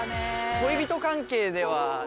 恋人関係では。